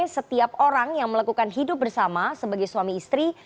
setiap orang yang melakukan hidup bersama sebagai suami istri